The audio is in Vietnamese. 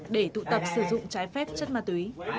để tụ tập sử dụng trái phép chất ma túy